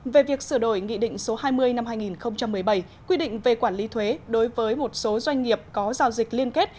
về việc sửa đổi nghị định số hai mươi năm hai nghìn một mươi bảy quy định về quản lý thuế đối với một số doanh nghiệp có giao dịch liên kết